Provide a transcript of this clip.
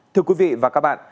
thưa quý vị và các bạn